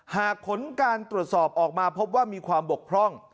หากผลการตรวจสอบออกมาพบว่ามีความบกพร่อง